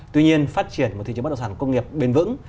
tuy nhiên phát triển một thị trường bất động sản công nghiệp bền vững